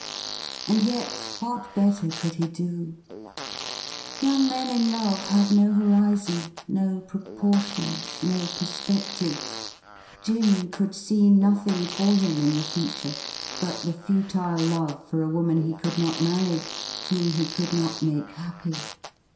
And yet what better could he do ? Young men in love have no horizon — no proportions — ^no perspective. Jim could see nothing for him in the future but the futile love for a woman he could not marry, whom he could not make happy.